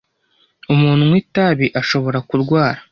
umuntu unywa itabi ashobora kurwara